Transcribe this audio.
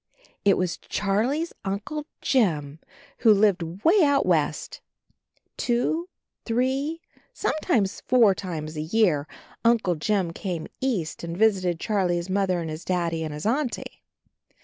It was Charlie's Uncle Jim who lived way out west I Two, three, sometimes four times a year Uncle Jim came east and visited Charlie's Mother and his Daddy and his Auntie.